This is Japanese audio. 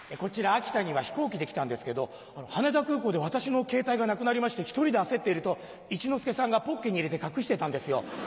秋田には飛行機で来たんですけど羽田空港で私のケータイがなくなりまして１人で焦っていると一之輔さんがポッケに入れて隠してたんですよ。